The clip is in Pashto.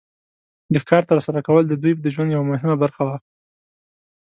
د ښکار تر سره کول د دوی د ژوند یو مهمه برخه وه.